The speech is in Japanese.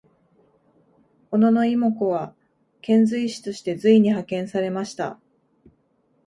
小野妹子は遣隋使として隋に派遣されました。